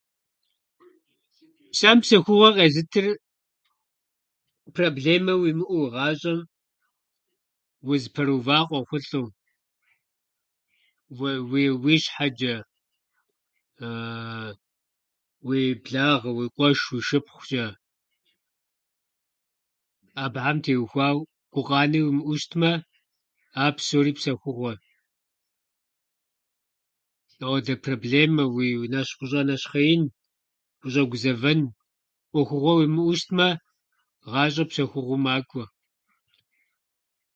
Псэм псэхугъуэ къезытыр, проблемэ уимыӏэу, гъащӏэм узыпэрыувар къохъулӏэу у- у- уи щхьэчӏэ, уи благъэ, уи къуэш, уи шыпхъучӏэ. Абыхьэм теухуау гукъанэ уимыӏэу щытмэ, а псори псэхугъуэщ. Ауэдэ проблемэ уи- нэщхъ- ущӏэнэщхъеин, ущӏэгузэвэн ӏуэхугъуэ уимыӏэу щытмэ, гъащӏэр псэхугъуэу макӏуэ.